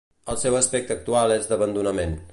El seu aspecte actual és d'abandonament.